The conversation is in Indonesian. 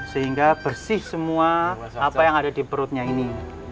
sehingga bersih semua apa yang ada di perutnya ini